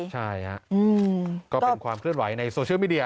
ใช่ฮะก็เป็นความเคลื่อนไหวในโซเชียลมีเดีย